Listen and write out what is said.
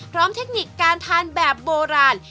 เทคนิคการทานแบบโบราณ